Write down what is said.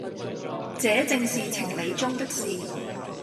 這正是情理中的事，